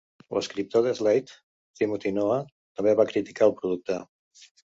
L'escriptor de "Slate", Timothy Noah, també va criticar el producte.